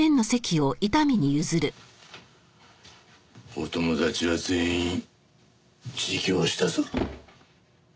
お友達は全員自供したぞ。